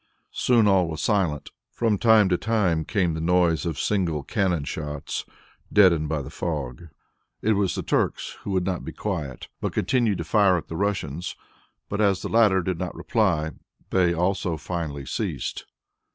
Soon all was silent. From time to time came the noise of single cannon shots, deadened by the fog. It was the Turks who would not be quiet, but continued to fire at the Russians. But as the latter did not reply, they also finally ceased.